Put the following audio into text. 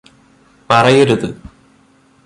പറയരുത്